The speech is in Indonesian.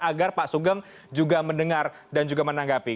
agar pak sugeng juga mendengar dan juga menanggapi